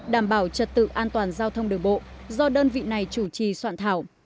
đảm bảo trật tự an toàn giao thông đường bộ do đơn vị này chủ trì soạn thảo